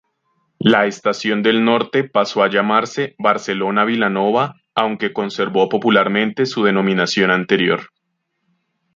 La estación del Norte pasó a llamarse Barcelona-Vilanova, aunque conservó popularmente su denominación anterior.